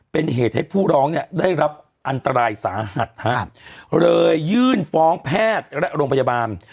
เป็นเหตุให้ผู้ร้องเนี่ยได้รับอันตรายสาหัสฮะเลยยื่นฟ้องแพทย์และโรงพยาบาล